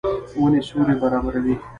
ونې سیوری برابروي.